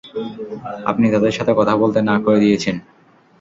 আপনি তাদের সাথে কথা বলতে না করে দিয়েছেন।